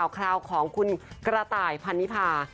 คราวของคุณกระต่ายพันนิพา